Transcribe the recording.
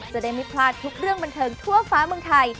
จะได้ไม่พลาดทุกเรื่องบันเทิงทั่วฟ้าเมืองไทย